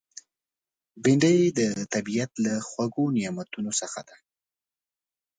بېنډۍ د طبیعت له خوږو نعمتونو ده